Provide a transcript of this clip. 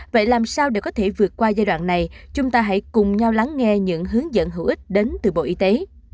trong thời gian này chúng ta hãy cùng nhau lắng nghe những hướng dẫn hữu ích đến từ bộ y tế